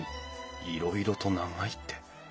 いろいろと長いって。